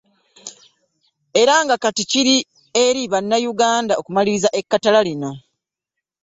Era nga kati kiri eri Bannayuganda okumaliriza ekkatala lino.